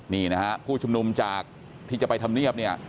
นี่นะฮะผู้ชุมนุมจากที่จะไปทำเนียบเนี่ย